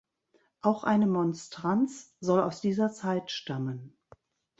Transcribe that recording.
Auch eine Monstranz soll aus dieser Zeit stammen.